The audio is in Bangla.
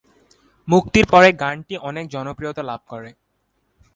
মুক্তির পরে গানটি অনেক জনপ্রিয়তা লাভ করে।